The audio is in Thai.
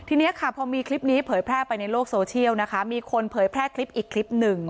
ทีนี้ค่ะพอมีคลิปนี้เผยแพร่ไปในโลกโซเชียลนะคะมีคนเผยแพร่คลิปอีกคลิปหนึ่ง